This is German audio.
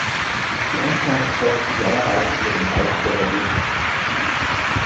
Die Anfahrt erfolgt idealerweise über den Waldenburger Weg.